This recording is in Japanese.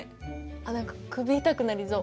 あっ何か首痛くなりそう。